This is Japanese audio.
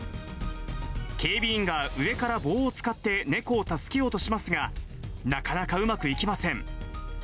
警備員が上から棒を使って猫を助けようとしますが、なかなかうまくいきません。